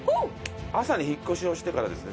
朝に引っ越しをしてからですね